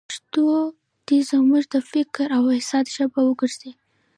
پښتو دې زموږ د فکر او احساس ژبه وګرځي.